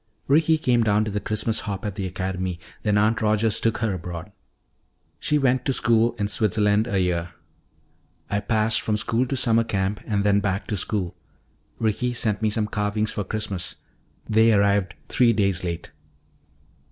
"Ricky came down to the Christmas hop at the academy, then Aunt Rogers took her abroad. She went to school in Switzerland a year. I passed from school to summer camp and then back to school. Ricky sent me some carvings for Christmas they arrived three days late."